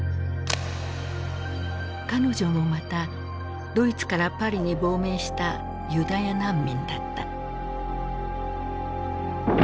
彼女もまたドイツからパリに亡命したユダヤ難民だった。